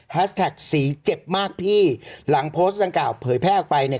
แท็กสีเจ็บมากพี่หลังโพสต์ดังกล่าวเผยแพร่ออกไปเนี่ย